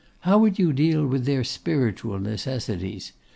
How would you deal with their spiritual necessities?